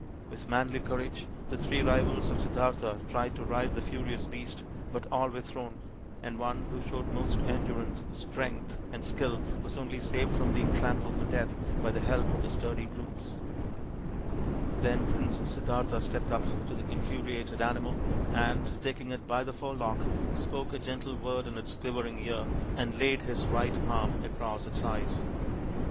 With manly courage the three rivals of Siddartha tried to ride the furious beast, but all were thrown, and one who showed most endurance, strength, and skill was only saved from being trampled to death by the help of the sturdy grooms. iyo THE INDIAN STORY BOOK Then Prince Siddartha stepped up to the in furiated animal and, taking it by the forelock, spoke a gentle word in its quivering ear and laid his right palm across its eyes.